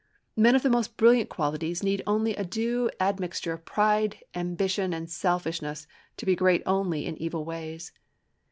Men of the most brilliant qualities need only a due admixture of pride, ambition, and selfishness to be great only in evil ways.